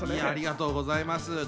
ありがとうございます。